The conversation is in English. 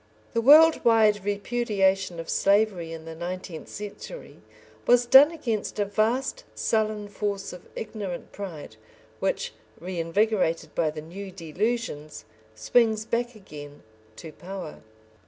The world wide repudiation of slavery in the nineteenth century was done against a vast sullen force of ignorant pride, which, reinvigorated by the new delusions, swings back again to power.